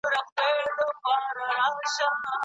د بودیجي بحثونه کله پیلیږي؟